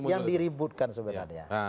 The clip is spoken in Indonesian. kan ini yang diributkan sebenarnya